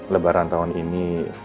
lebaran tahun ini